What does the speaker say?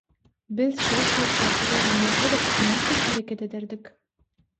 "Biz şol şertlerde bolan bolsadyk nähili hereket ederdik?"